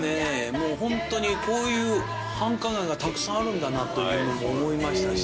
もうホントにこういう繁華街がたくさんあるんだなというのも思いましたし。